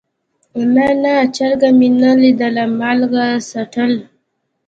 نه نه چرګ مې نه ليده مالګه څټل.